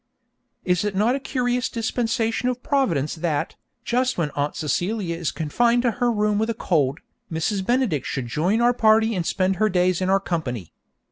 Is it not a curious dispensation of Providence that, just when Aunt Celia is confined to her room with a cold, Mrs. Benedict should join our party and spend her days in our company?